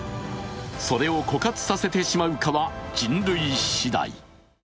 それを枯渇させてしまうかは人類しだい。